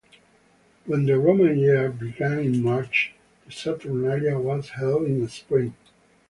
When the Roman year began in March, the Saturnalia was held in spring.